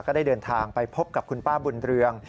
ก็ได้เดินทางไปพบกับคุณป้าบุญเรือง